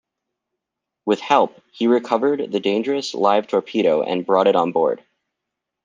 With help, he recovered the dangerous live torpedo and brought it on board.